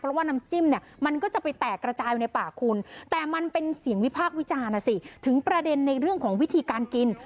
เพราะว่านำจิ้มเนี้ยมันก็จะไปแตกกระจายพายายในปากคุณ